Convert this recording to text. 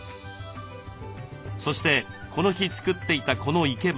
そしてこの日作っていたこの生け花。